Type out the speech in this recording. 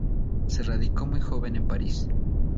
Se radicó muy joven en París.